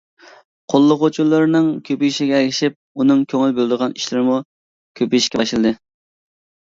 قوللىغۇچىلىرىنىڭ كۆپىيىشىگە ئەگىشىپ ئۇنىڭ كۆڭۈل بۆلىدىغان ئىشلىرىمۇ كۆپىيىشكە باشلىدى.